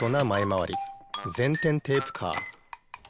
まわり前転テープカー。